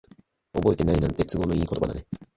覚えてないなんて、都合のいい言葉だね。